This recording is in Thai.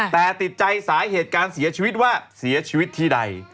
แต่ติดใจสาเหตุการเสียชีวิตว่าเสียชีวิตที่ใด